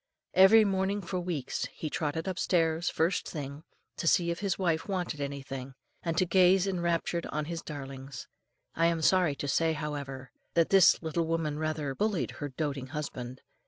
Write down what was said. Every morning for weeks he trotted upstairs, first thing, to see if his wife wanted anything, and to gaze enraptured on his darlings. I am sorry to say, however, that this little woman rather bullied her doating husband.